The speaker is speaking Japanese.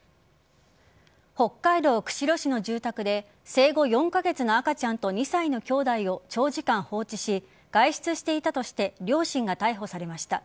北海道釧路市の住宅で生後４カ月の赤ちゃんと２歳の兄弟を長時間放置し外出していたとして両親が逮捕されました。